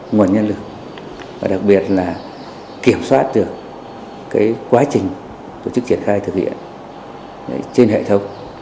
nguồn nhân lực và đặc biệt là kiểm soát được quá trình tổ chức triển khai thực hiện trên hệ thống